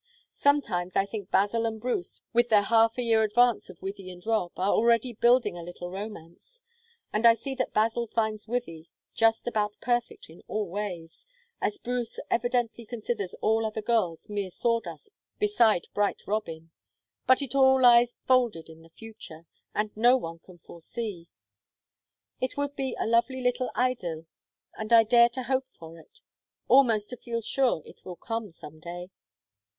Sometimes I think Basil and Bruce, with their half a year advance of Wythie and Rob, are already building a little romance, and I see that Basil finds Wythie just about perfect in all ways, as Bruce evidently considers all other girls mere sawdust beside bright Robin, but it all lies folded in the future, and no one can foresee. It would be a lovely little idyl, and I dare to hope for it; almost to feel sure it will come some day."